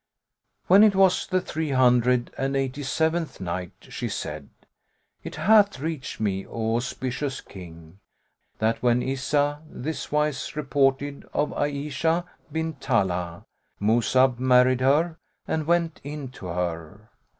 When it was the Three Hundred and Eighty seventh Day She said, It hath reached me, O auspicious King, that when Izzah this wise reported of Ayishah bint Talhah, Mus'ab married her and went in to her.